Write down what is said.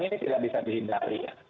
ini tidak bisa dihindari